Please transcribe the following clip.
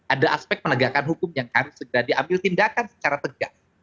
ada aspek penegakan hukum yang harus segera diambil tindakan secara tegas